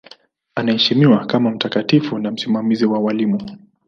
Anaheshimiwa kama mtakatifu na msimamizi wa walimu.